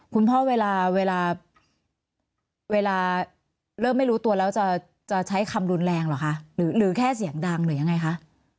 เวลาเวลาเริ่มไม่รู้ตัวแล้วจะใช้คำรุนแรงเหรอคะหรือแค่เสียงดังหรือยังไงคะ